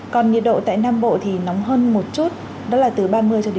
còn nhiệt độ tại nam bộ thì nóng hơn một chút đó là từ ba mươi đến ba mươi một độ